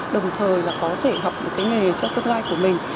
đồng thời là có thể học một cái nghề trong tương lai của mình